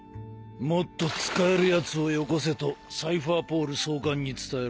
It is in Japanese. もっと使えるやつをよこせとサイファーポール総監に伝えろ。